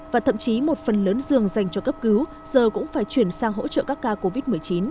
và thậm chí một phần lớn giường dành cho cấp cứu giờ cũng phải chuyển sang hỗ trợ các ca covid một mươi chín